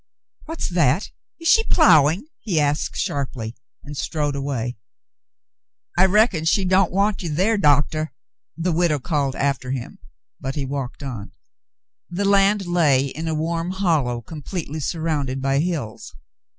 "What's that? Is she ploughing?" he asked sharply, and strode away. 116 The Mountain Girl "I reckon she don't want ye there, Doctah," the widow called after him, but he walked on. The land lay in a warto hollow completely surrounded by hills.